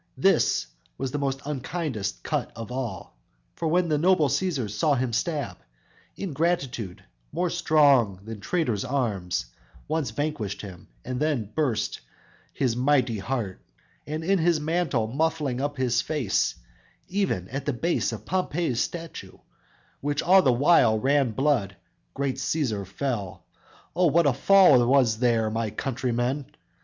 This was the most unkindest cut of all; For when the noble Cæsar saw him stab, Ingratitude, more strong than traitors' arms Quite vanquished him, then burst his mighty heart; And in his mantle muffling up his face, Even at the base of Pompey's statue, Which all the while ran blood, great Cæsar fell. O, what a fall was there, my countrymen!